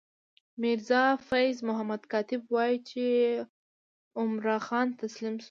میرزا فیض محمد کاتب وايي چې عمرا خان تسلیم شو.